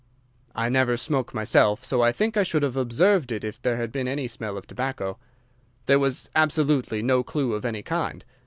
"I never smoke myself, so I think I should have observed it if there had been any smell of tobacco. There was absolutely no clue of any kind.